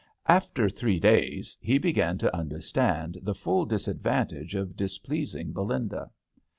After three days he began to understand the full disadvantage of displeasing Belinda.